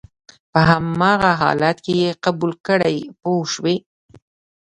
په هماغه حالت کې یې قبول کړئ پوه شوې!.